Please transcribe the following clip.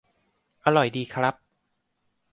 - อร่อยดีครับ